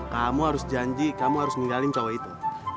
kamu harus janji kamu harus meninggalkan cowok itu